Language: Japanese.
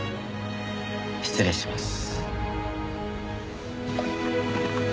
失礼します。